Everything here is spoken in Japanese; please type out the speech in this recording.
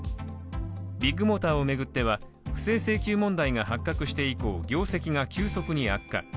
ビッグモーターを巡っては、不正請求問題が発覚して以降業績が急速に悪化。